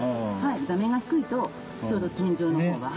座面が低いとちょうど天井のほうが。